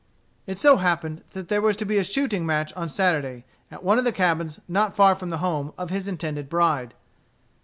It so happened that there was to be a shooting match on Saturday, at one of the cabins not far from the home of his intended bride.